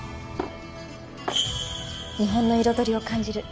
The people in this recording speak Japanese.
日本の彩りを感じる料理です。